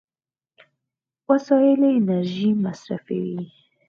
وسایل انرژي مصرفوي.